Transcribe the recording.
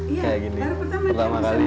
iya pertama kali